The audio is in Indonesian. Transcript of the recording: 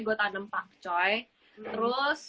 gue tanem pakcoy terus